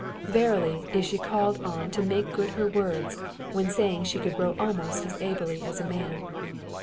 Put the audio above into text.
Verily is she called on to make good her words, when saying she could row almost as ably as a man.